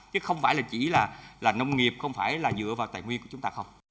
chứ không phải là chỉ là nông nghiệp không phải là dựa vào tài nguyên của chúng ta không